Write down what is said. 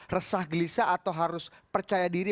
resah gelisah atau harus percaya diri